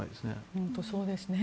本当にそうですね。